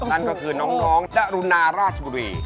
นั่นก็คือน้องดรุณาราชบุรี